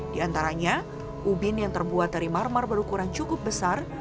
di antaranya ubin yang terbuat dari marmar berukuran cukup besar